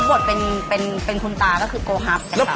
รับบทเป็นหุ่นตาก็คือโกฮัฟ